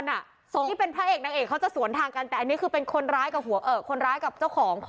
ที่เป็นพระเอกนางเอกเขาจะสวนทางกันแต่อันนี้คือเป็นคนร้ายกับหัวคนร้ายกับเจ้าของ